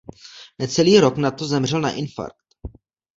Necelý rok nato zemřel na infarkt.